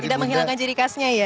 tidak menghilangkan ciri khasnya ya